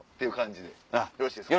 よろしいですか？